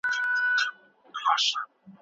کېدای سي حکومت نورې مالیې هم وټاکي.